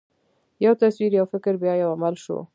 یو تصور، یو فکر، بیا یو عمل شو.